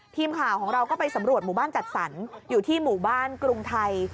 ทีมข่าวของเราก็ไปสำรวจหมู่บ้านจัดสรรอยู่ที่หมู่บ้านกรุงไทย